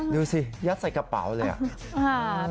ดูสิยัดใส่กระเป๋าเลยอ่ะ